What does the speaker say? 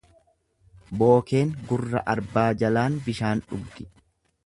Bookeen gurra arbaa jalaan bishaan dhugdi.